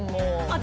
私